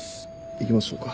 行きましょうか。